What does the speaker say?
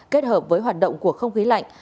kết hợp với hoạt động của không khí lạnh